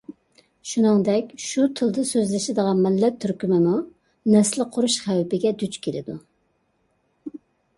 شۇنىڭدەك، شۇ تىلدا سۆزلىشىدىغان مىللەت تۈركۈمىمۇ نەسلى قۇرۇش خەۋپىگە دۇچ كېلىدۇ.